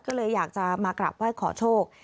ก็เลยอยากจะมากราบไหว้ขอโชค